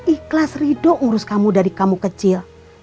ikhlas ridho ngurus kamu dari kamu kecil